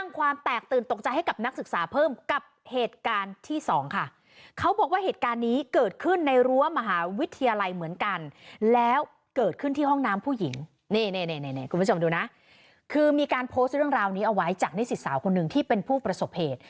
คุณผู้ชมดูนะคือมีการโพสต์เรื่องราวนี้เอาไว้จากนิสิตสาวคนหนึ่งที่เป็นผู้ประสบเหตุ